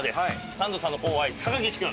サンドさんの後輩高岸君！